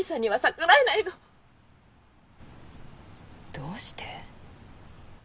どうして？